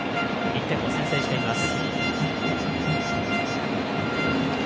１点を先制しています。